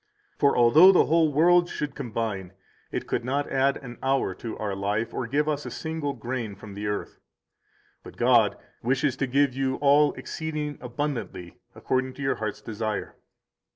For although the whole world should combine, it could not add an hour to our life or give us a single grain from the earth. But God wishes to give you all exceeding abundantly according to your heart's desire.